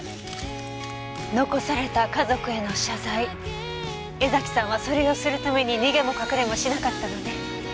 残された家族への謝罪江崎さんはそれをするために逃げも隠れもしなかったのね。